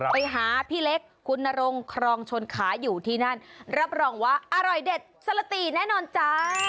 ไปหาพี่เล็กคุณนรงครองชนขาอยู่ที่นั่นรับรองว่าอร่อยเด็ดสลตีแน่นอนจ้า